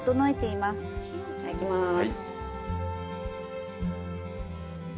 いただきます。